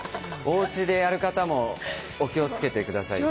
おうちでやる方もお気をつけて下さい。